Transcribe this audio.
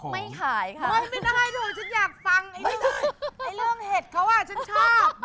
ว่ะนี่ไม่ได้ชิดฉันอยากฟังเรื่องเห็ดเขาอ่ะฉันชอบ